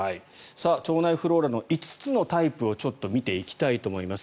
腸内フローラの５つのタイプをちょっと見ていきたいと思います。